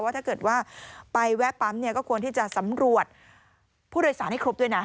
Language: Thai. ถ้าเกิดว่าไปแวะปั๊มก็ควรที่จะสำรวจผู้โดยสารให้ครบด้วยนะ